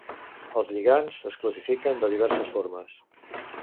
Els lligands es classifiquen de diverses formes.